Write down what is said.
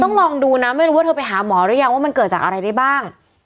ลองดูนะไม่รู้ว่าเธอไปหาหมอหรือยังว่ามันเกิดจากอะไรได้บ้าง